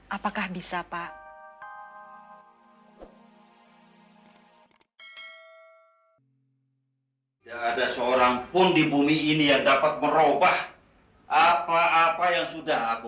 apakah bisa pak